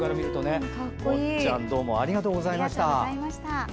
もっちゃんありがとうございました。